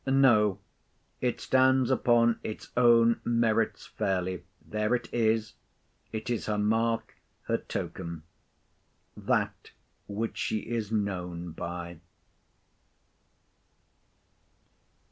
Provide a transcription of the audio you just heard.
No, it stands upon its own merits fairly. There it is. It is her mark, her token; that which she is known by.